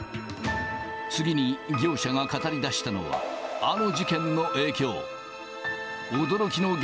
次に業者が語りだしたのは、あの事件の影響。